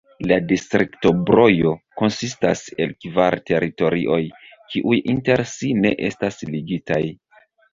La distrikto Brojo konsistas el kvar teritorioj, kiuj inter si ne estas ligitaj.